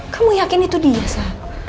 kamu yakin itu dia sa